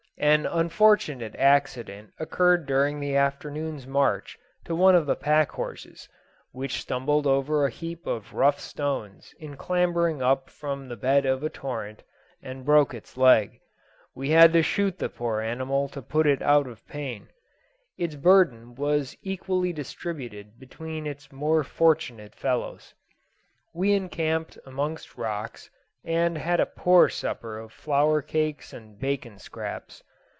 An unfortunate accident occurred during the afternoon's march to one of the pack horses, which stumbled over a heap of rough stones in clambering up from the bed of a torrent, and broke its leg. We had to shoot the poor animal to put it out of pain. Its burden was equally distributed between its more fortunate fellows. We encamped amongst rocks, and had a poor supper of flour cakes and bacon scraps.